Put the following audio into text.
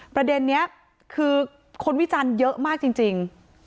ประเด็นนี้คือคนวิจารณ์เยอะมากจริง